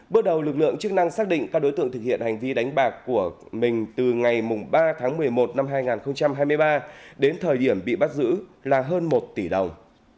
bước đầu lực lượng chức năng xác định các đối tượng thực hiện hành vi đánh bạc của mình từ ngày ba tháng một mươi một năm hai nghìn hai mươi ba đến thời điểm bị bắt giữ là hơn một tỷ đồng